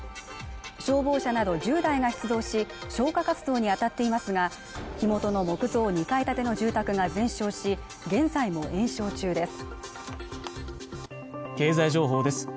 消防車など１０台が出動し消火活動にあたっていますが火元の木造２階建ての住宅が全焼し現在も延焼中です